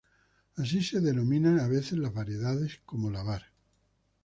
Así se denominan a veces las variedades, como la var.